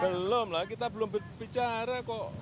belum lah kita belum bicara kok